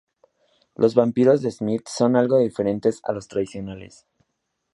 Los vampiros de Smith son algo diferentes a los tradicionales.